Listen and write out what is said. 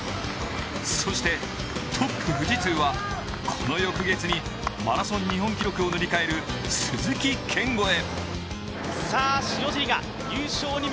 そしてトップ、富士通はこの翌日にマラソン日本記録を塗り替える鈴木健吾へ。